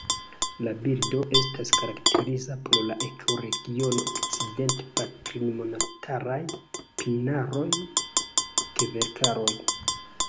La birdo estas karakteriza por la ekoregiono okcident-patrinmontaraj pinaroj-kverkaroj.